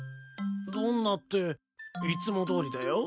どんなっていつもどおりだよ。